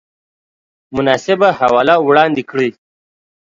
مناسبه حواله وړاندې کړئ